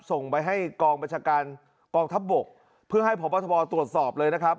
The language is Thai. ส่งไปให้กองบัญชาการกองทัพบกเพื่อให้พบทบตรวจสอบเลยนะครับ